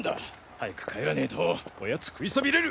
早く帰らねえとオヤツ食いそびれる！